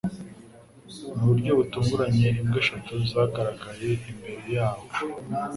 Mu buryo butunguranye, imbwa eshatu zagaragaye imbere yacu.